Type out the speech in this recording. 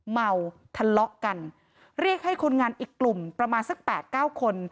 เมาทะเลาะกันเรียกให้คนงานอีกกลุ่มประมาณสักแปดเก้าคน